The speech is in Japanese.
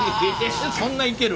そんないける。